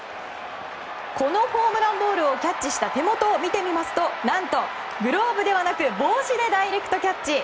このホームランボールをキャッチした手元を見てみますと何とグローブではなく帽子でダイレクトキャッチ。